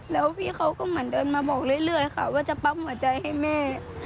แล้วพี่เขาก็เหมือนเดินมาบอกเรื่อยค่ะว่าจะปั๊มหัวใจให้แม่